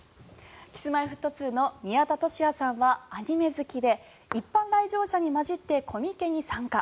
Ｋｉｓ−Ｍｙ−Ｆｔ２の宮田俊哉さんはアニメ好きで一般来場者に交じってコミケに参加。